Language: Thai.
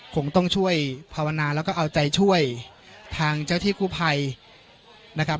คงต้องช่วยภาวนาแล้วก็เอาใจช่วยทางเจ้าที่กู้ภัยนะครับ